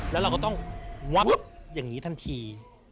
แล้วเราก็ต้องวับอย่างนี้ทันที